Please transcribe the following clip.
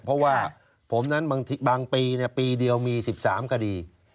เพราะว่าผมนั้นบางปีปีเดียวมี๑๓คดี